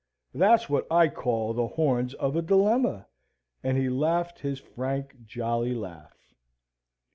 That's what I call the horns of a dilemma;" and he laughed his frank, jolly laugh.